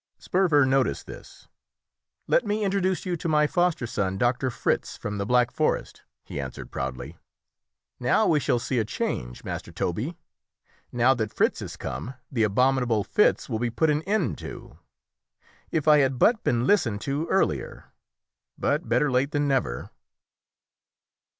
Sperver noticed this. "Let me introduce to you my foster son, Doctor Fritz, from the Black Forest," he answered proudly. "Now we shall see a change, Master Tobie. Now that Fritz has come the abominable fits will be put an end to. If I had but been listened to earlier but better late than never."